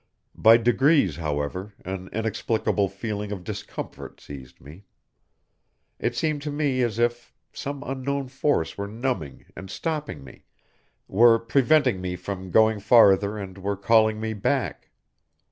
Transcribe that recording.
By degrees, however, an inexplicable feeling of discomfort seized me. It seemed to me as if some unknown force were numbing and stopping me, were preventing me from going farther and were calling me back.